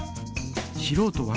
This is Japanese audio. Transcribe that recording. しろうとは？